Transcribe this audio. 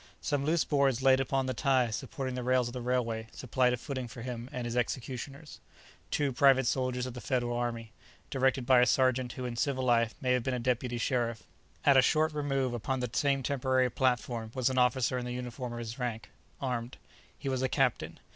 Some loose boards laid upon the ties supporting the rails of the railway supplied a footing for him and his executioners—two private soldiers of the Federal army, directed by a sergeant who in civil life may have been a deputy sheriff. At a short remove upon the same temporary platform was an officer in the uniform of his rank, armed. He was a captain.